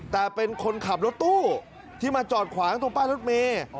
แต่เป็นคนขับรถตู้ที่มาจอดขวางตรงป้ายรถเมย์